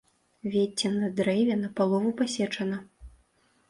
Вецце на дрэве напалову пасечана.